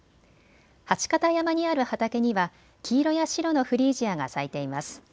八形山にある畑には黄色や白のフリージアが咲いています。